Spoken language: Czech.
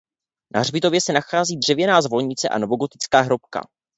Na hřbitově se nachází dřevěná zvonice a novogotická hrobka.